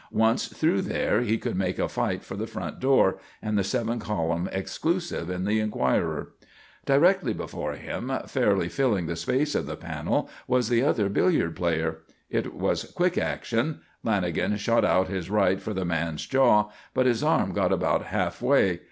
Once through there, he could make a fight for the front door, and the seven column exclusive in the Enquirer. Directly before him, fairly filling the space of the panel, was the other billiard player. It was quick action. Lanagan shot out his right for the man's jaw; but his arm got about half way.